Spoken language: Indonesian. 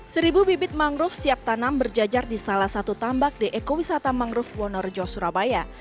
seribu bibit mangrove siap tanam berjajar di salah satu tambak di ekowisata mangrove wonorejo surabaya